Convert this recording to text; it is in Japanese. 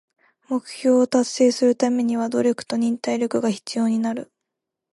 目標を達成するためには努力と忍耐力が必要になる。